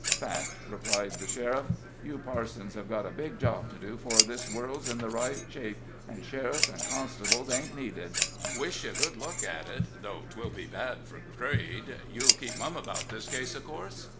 "Fact," replied the sheriff. "You parsons have got a big job to do 'fore this world's in the right shape, an' sheriffs and constables ain't needed. Wish you good luck at it, though 'twill be bad for trade. You'll keep mum 'bout this case, of course.